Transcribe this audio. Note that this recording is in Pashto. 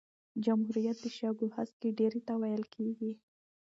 جمهوریت د شګو هسکی ډېرۍ ته ویل کیږي.